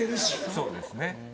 そうですね。